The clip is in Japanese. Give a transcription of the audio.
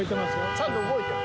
ちゃんと動いてる？